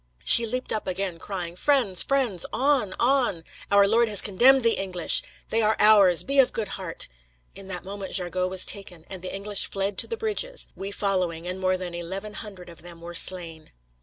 She leaped up again, crying, 'Friends, friends; on, on! Our Lord has condemned the English. They are ours; be of good heart.' In that moment Jargeau was taken, and the English fled to the bridges, we following, and more than eleven hundred of them were slain."